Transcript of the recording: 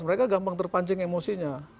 mereka gampang terpancing emosinya